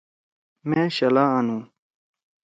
مأ شلا آنُو۔